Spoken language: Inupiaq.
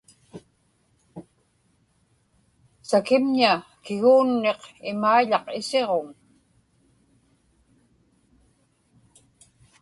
sakimña kiguunniq imaiḷaq isiġuŋ